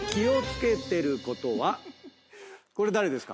これ誰ですか？